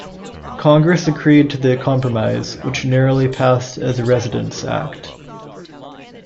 Congress agreed to the compromise, which narrowly passed as the Residence Act.